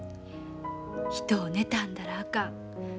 人を妬んだらあかん。